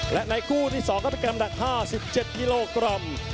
และในคู่ที่๒ก็เป็นกำหนัก๕๗กิโลกรัม